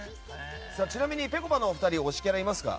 ちなみにぺこぱの２人は推しキャラいますか？